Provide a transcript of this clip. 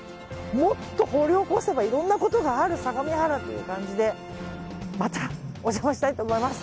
もっと掘り起こせばいろんなことがある相模原という感じでまたお邪魔したいと思います。